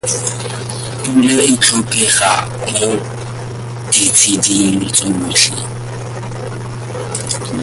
Pula e tlhokega mo ditsheding tsotlhe.